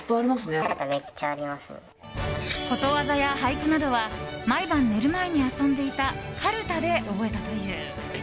ことわざや俳句などは毎晩、寝る前に遊んでいたかるたで覚えたという。